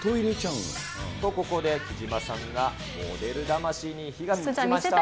と、ここで貴島さんがモデル魂に火がついちゃいました。